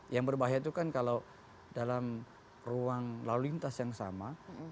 yang berbahaya itu kan kalau dalam ruang lalu lintas yang sama